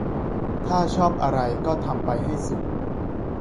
ถ้าชอบอะไรก็ทำไปให้สุด